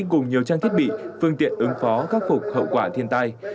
cùng nhiều trang thiết bị phương tiện ứng phó khắc phục hậu quả thiên tai